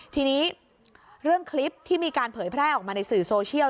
ทีนี้เรื่องคลิปที่มีการเผยแพร่ออกมาในสื่อโซเชียล